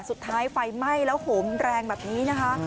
สุดท้ายไฟไหม้แล้วหงแรงแบบนี้นะคะ